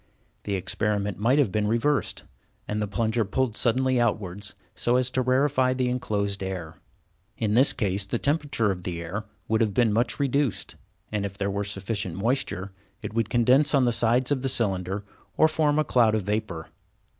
The experiment might have been reversed, and the plunger pulled suddenly outwards so as to rarefy the enclosed air. In this case the temperature of the air would have been much reduced, and, if there were sufficient moisture, it would condense on the sides of the cylinder or form a cloud of vapor.